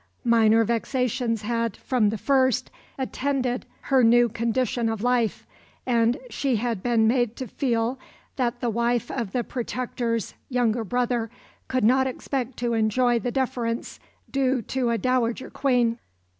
Minor vexations had, from the first, attended her new condition of life, and she had been made to feel that the wife of the Protector's younger brother could not expect to enjoy the deference due to a Dowager Queen.